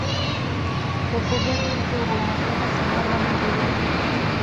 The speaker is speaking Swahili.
ufugaji mzuri unakwenda sambamba na kilimo